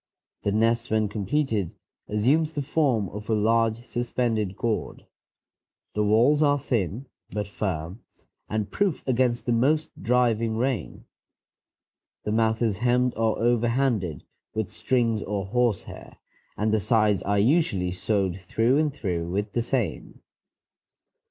The nest when completed assumes the form of a large, suspended gourd. The walls are thin but firm, and proof against the most driving rain. The mouth is hemmed or over handed with strings or horsehair, and the sides are usually sewed through and through with the same.